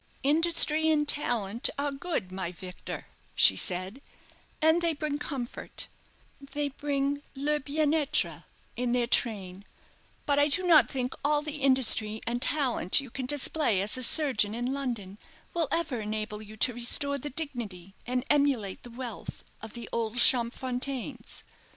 "Industry and talent are good, my Victor," she said, "and they bring comfort, they bring le bienêtre in their train; but I do not think all the industry and talent you can display as a surgeon in London will ever enable you to restore the dignity and emulate the wealth of the old Champfontaines."